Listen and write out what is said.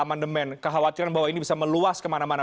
amandemen kekhawatiran bahwa ini bisa meluas kemana mana